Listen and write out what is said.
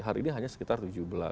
hari ini hanya sekitar tujuh belas